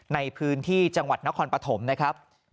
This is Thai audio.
ในพื้นที่จังหวัดนครปฐมนะครับ